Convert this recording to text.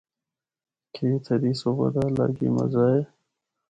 کہ اِتھا دی صبح دا الگ ای مزہ اے۔